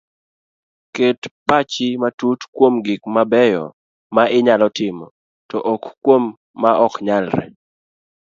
Ket pach matut kuom gik mabeyo ma inyalo timo to ok kuom ma oknyalre